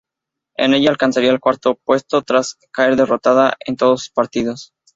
En ella alcanzaría el cuarto puesto tras caer derrotada en todos sus partidos.